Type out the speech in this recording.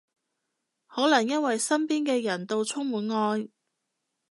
可能因為身邊嘅人到充滿愛